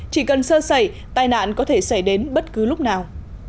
chỉ cần sơ sẩy tai nạn có thể xảy đến bất cứ lúc nào